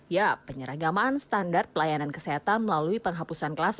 ya penyeragaman standar pelayanan kesehatan melalui penghapusan kelas